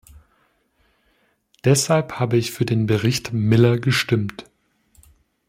Deshalb habe ich für den Bericht Miller gestimmt.